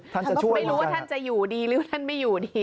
ไม่รู้ว่าท่านจะอยู่ดีหรือว่าท่านไม่อยู่ดี